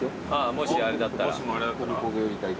もしもあれだったら。